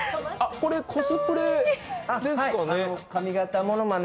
これ、コスプレですかね？